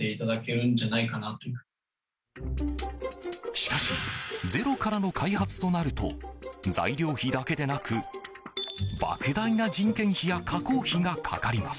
しかしゼロからの開発となると材料費だけでなく莫大な人件費や加工費がかかります。